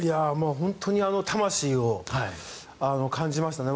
本当に魂を感じましたね。